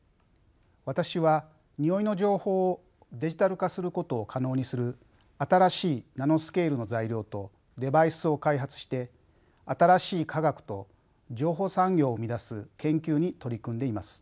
私はにおいの情報をデジタル化することを可能にする新しいナノスケールの材料とデバイスを開発して新しい化学と情報産業を生み出す研究に取り組んでいます。